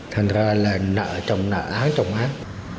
thành ra là nợ trồng nợ án trồng án